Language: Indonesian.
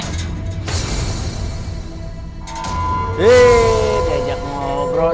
hei diajak ngobrol